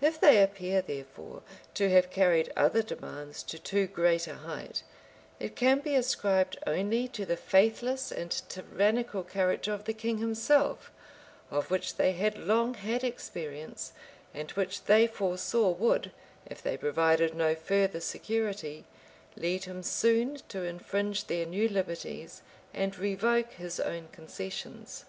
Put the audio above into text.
If they appear, therefore, to have carried other demands to too great a height, it can be ascribed only to the faithless and tyrannical character of the king himself, of which they had long had experience, and which they foresaw would, if they provided no further security, lead him soon to infringe their new liberties, and revoke his own concessions.